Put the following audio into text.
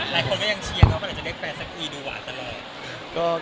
หลายคนก็ยังเชียร์เขาก็เลยจะได้แฟนสักทีดูหวานตลอด